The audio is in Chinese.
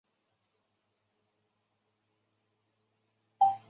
按照玻利维亚宪法基罗加不能再次连任。